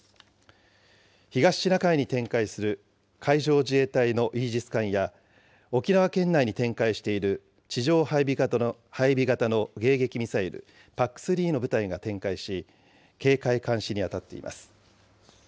東シナ海に展開する海上自衛隊のイージス艦や、沖縄県内に展開している地上配備型の迎撃ミサイルＰＡＣ３の部隊が展開し、警戒・監視に当たっています。